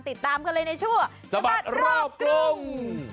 ติดตามกันเลยในชั่วสะบัดรอบกรุง